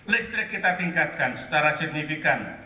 listrik kita tingkatkan secara signifikan